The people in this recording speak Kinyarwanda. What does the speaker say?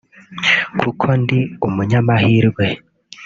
kuko ndi umunyamahirwe”